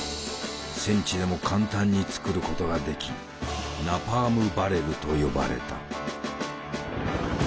戦地でも簡単に作ることができ「ナパーム・バレル」と呼ばれた。